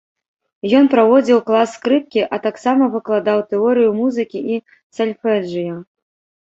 Ён праводзіў клас скрыпкі, а таксама выкладаў тэорыю музыкі і сальфэджыё.